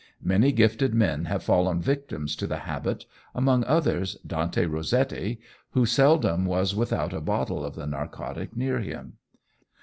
Many gifted men have fallen victims to the habit, among others Dante Rossetti, who seldom was without a bottle of the narcotic near him.